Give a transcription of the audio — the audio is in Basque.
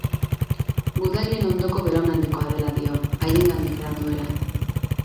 Gudarien ondoko belaunaldikoa dela dio, haiengandik edan duela.